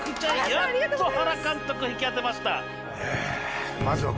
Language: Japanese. やっと原監督が引き当てました。